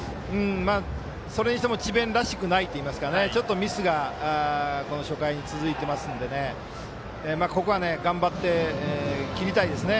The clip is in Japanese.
それにしても智弁らしくないといいますかちょっとミスが初回に続いていますのでここは頑張って切りたいですね。